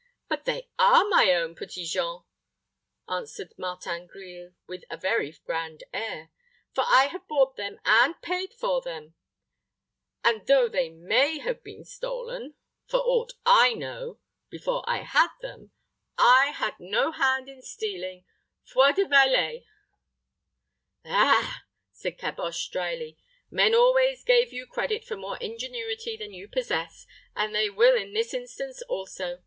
"But they are my own, Petit Jean," answered Martin Grille, with a very grand air; "for I have bought them, and paid for them; and though they may have been stolen, for aught I know, before I had them, I had no hand in the stealing, foi de valet." "Ah," said Caboche, dryly, "men always gave you credit for more ingenuity than you possess, and they will in this instance also.